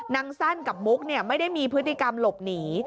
นางสั้นกับมุกไม่ได้มีพฤติกรรมหลบหนี